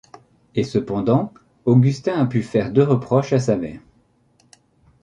Et cependant, Augustin a pu faire deux reproches à sa mère.